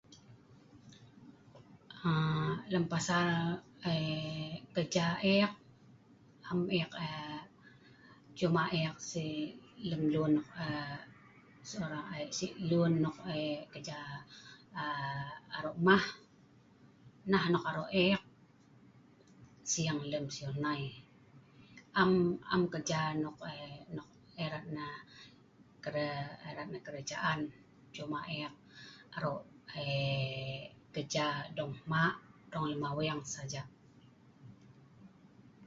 aa lem pasal kai kerja ek am ek aa cuma ek sik lem lun aa sekola ai sik lun nok sik kerja aa arok mah nah nok arok ek sing lem siu nai am am kerja nok eei nok erat nah erat lem kee kerajaan cuma ek arok eei kerja dong hma' dong lem aweng saja